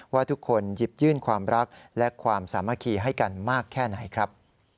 ว่าทุกคนหยิบยื่นความรักและความสามัคคีให้กันมากแค่ไหนครับ